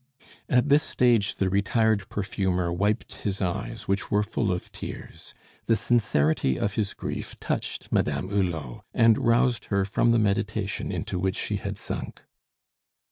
At this stage the retired perfumer wiped his eyes, which were full of tears. The sincerity of his grief touched Madame Hulot, and roused her from the meditation into which she had sunk.